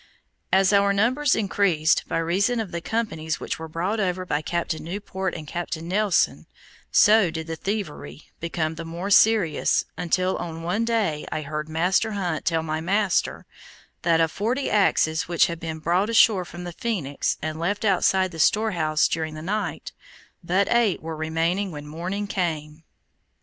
As our numbers increased, by reason of the companies which were brought over by Captain Newport and Captain Nelson, so did the thievery become the more serious until on one day I heard Master Hunt tell my master, that of forty axes which had been brought ashore from the Phoenix and left outside the storehouse during the night, but eight were remaining when morning came.